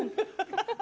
ハハハ！